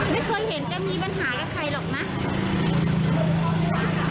ไม่เคยเห็นจะมีปัญหากับใครหรอกนะ